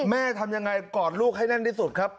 ทำยังไงกอดลูกให้แน่นที่สุดครับ